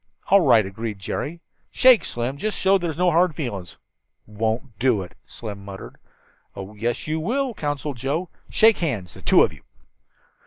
"All right," agreed Jerry. "Shake, Slim, just to show there's no hard feelings." "Won't do it," Slim muttered. "Oh, yes, you will," counseled Joe. "Shake hands, the two of you."